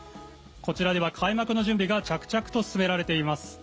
こちらでは開幕の準備が着々と進められています。